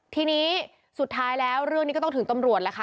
ทีนี้สุดท้ายแล้วเรื่องนี้ก็ต้องถึงตำรวจแล้วค่ะ